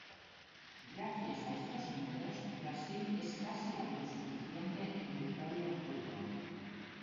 Gracias a estos números, Brasil es casi autosuficiente en petróleo crudo.